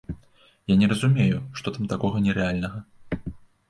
Я не разумею, што там такога нерэальнага!